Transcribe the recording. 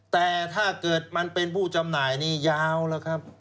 แต่ถ้าเกิดมันเป็นผู้จำหน่ายนี่ยาวแล้วครับ